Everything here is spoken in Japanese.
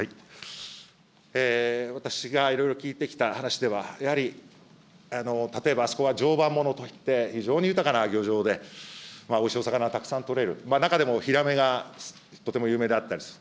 私がいろいろ聞いてきた話では、やはり例えばあそこは常磐ものといって非常に豊かな漁場で、おいしいお魚がたくさん取れる、中でもヒラメがとても有名であったりする。